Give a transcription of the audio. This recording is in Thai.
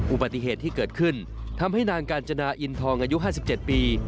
อุบัติเหตุที่เกิดขึ้นทำให้นางกาญจนาอินทองอายุ๕๗ปี